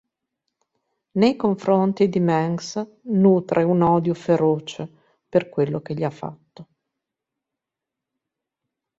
Nei confronti di Mengsk nutre un odio feroce per quello che gli ha fatto.